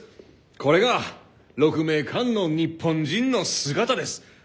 これが鹿鳴館の日本人の姿です！